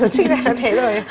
sinh ra là thế rồi